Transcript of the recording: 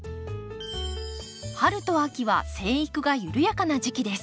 春と秋は生育が緩やかな時期です。